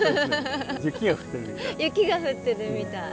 雪が降ってるみたい。